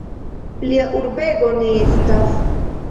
Plia urbego ne estas.